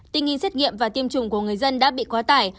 tình hình xét nghiệm và tiêm chủng của người dân đã bị quá tải